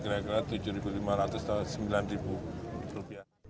kita akan mencapai rp tujuh lima ratus sembilan triliun